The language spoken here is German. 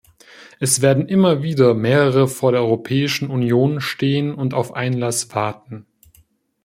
Es werden immer wieder mehrere vor der Europäischen Union stehen und auf Einlass warten.